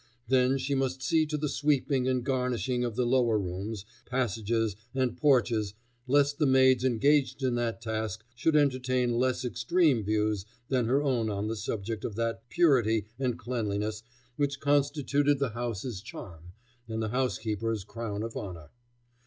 Then she must see to the sweeping and garnishing of the lower rooms, passages, and porches, lest the maids engaged in that task should entertain less extreme views than her own on the subject of that purity and cleanliness which constituted the house's charm and the housekeeper's crown of honor.